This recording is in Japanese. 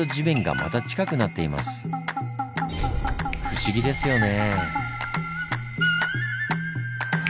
不思議ですよね。